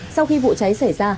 sau khi vụ cháy xảy ra